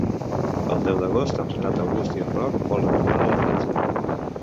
El deu d'agost en Renat August i en Roc volen anar a la platja.